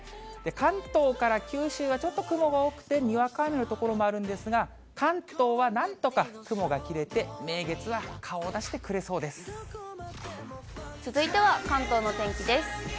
関東から九州はちょっと雲が多くてにわか雨の所もあるんですが、関東はなんとか雲が切れて、続いては関東の天気です。